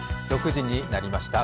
６時になりました